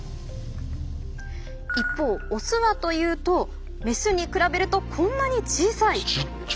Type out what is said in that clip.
一方オスはというとメスに比べるとこんなに小さい。